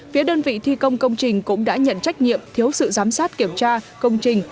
phía đơn vị thi công công trình cũng đã nhận trách nhiệm thiếu sự giám sát kiểm tra công trình